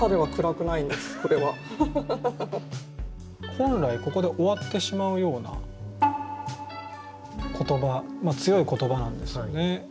本来ここで終わってしまうような言葉強い言葉なんですよね。